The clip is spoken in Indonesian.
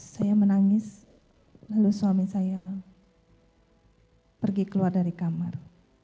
saya menangis lalu suami saya pergi keluar dari kamar